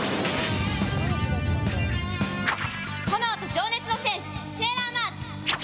炎と情熱の戦士セーラーマーズ！